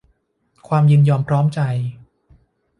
ความยินยอมพร้อมใจ